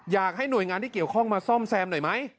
อยากให้หน่วยงานที่เกี่ยวข้องมาซ่อมแซมหน่อยไหม